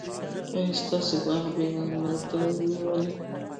ایا ستاسو باغ مېوه نه ده نیولې؟